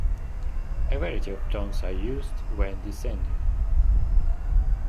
A variety of turns are used, when descending.